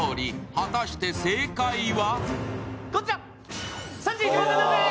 果たして正解は？